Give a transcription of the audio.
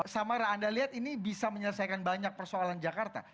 samara anda lihat ini bisa menyelesaikan banyak persoalan jakarta